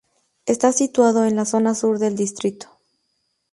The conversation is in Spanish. Está situado en la zona sur del distrito.